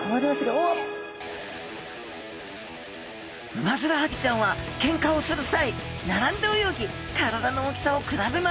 ウマヅラハギちゃんはけんかをするさいならんで泳ぎ体の大きさをくらべます。